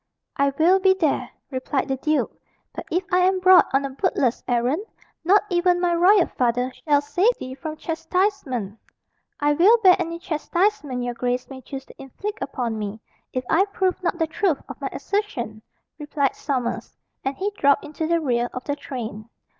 "I will be there," replied the duke; "but if I am brought on a bootless errand, not even my royal father shall save thee from chastisement." "I will bear any chastisement your grace may choose to inflict upon me, if I prove not the truth of my assertion," replied Sommers. And he dropped into the rear of the train.